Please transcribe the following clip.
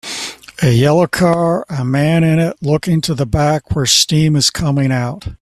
A yellow car a man in it looking to the back where steam is coming out